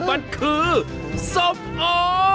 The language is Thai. มันคือส้มโอ